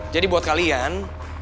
jadi buat kalian